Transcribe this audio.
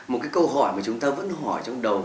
một cái câu hỏi mà chúng ta vẫn hỏi trong đầu